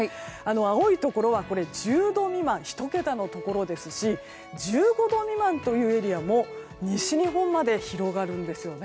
青いところは１０度未満、１桁のところですし１５度未満というエリアも西日本まで広がるんです。